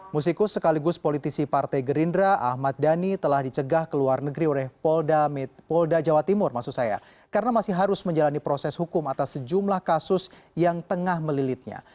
musikus sekaligus politisi partai gerindra ahmad dhani telah dicegah ke luar negeri oleh polda jawa timur maksud saya karena masih harus menjalani proses hukum atas sejumlah kasus yang tengah melilitnya